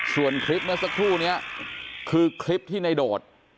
ส่วนคลิปเมื่อสักครู่นี้คือคลิปที่ในโดด